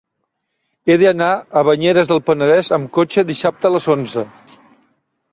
He d'anar a Banyeres del Penedès amb cotxe dissabte a les onze.